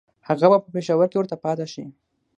هغه به په پېښور کې ورته پاته شي.